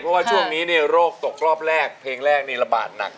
เพราะว่าช่วงนี้เนี่ยโรคตกรอบแรกเพลงแรกนี่ระบาดหนัก